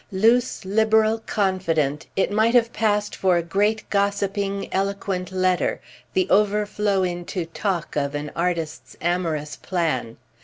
Loose liberal confident, it might have passed for a great gossiping eloquent letter—the overflow into talk of an artist's amorous plan.